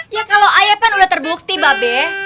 ya kalo ayah kan udah terbukti babek